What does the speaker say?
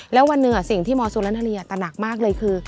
แล้ววันเนื้อสิ่งที่มศธรรยาตะหนักมากเลยคือ